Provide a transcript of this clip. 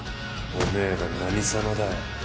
「おめえら何様だよ」